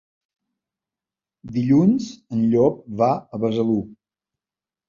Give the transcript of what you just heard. Dilluns en Llop va a Besalú.